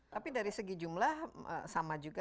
tapi dari segi jumlah sama juga